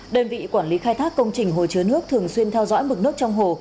đơn vị quản lý khai thác công trình hồ chứa nước thường xuyên theo dõi mực nước trong hồ